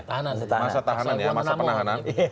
masa tahanan ya masa penahanan